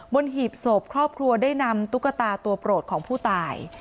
หีบศพครอบครัวได้นำตุ๊กตาตัวโปรดของผู้ตาย